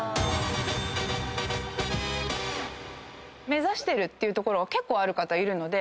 目指してるところが結構ある方いるので。